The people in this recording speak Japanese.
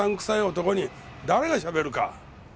臭い男に誰がしゃべるか！